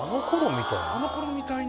「あの頃みたいに」